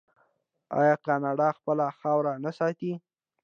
آیا کاناډا خپله خاوره نه ساتي؟